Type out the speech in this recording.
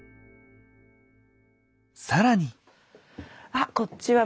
更に。